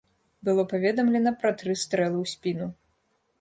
Было паведамлена пра тры стрэлы ў спіну.